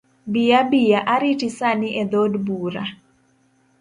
Bi abia ariti sani e dhood bura.